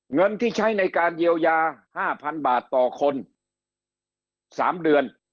เงินที่ใช้ในการเยียวยา๕๐๐๐บาทต่อคน๓เดือน